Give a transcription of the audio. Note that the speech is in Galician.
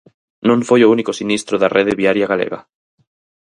Non foi o único sinistro da rede viaria galega.